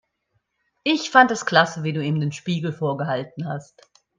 Ich fand es klasse, wie du ihm den Spiegel vorgehalten hast.